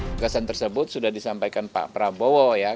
gagasan tersebut sudah disampaikan pak prabowo ya